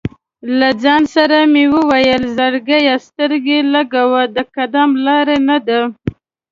له ځان سره مې ویل: "زړګیه سترګې لګوه، د قدم لاره نه ده".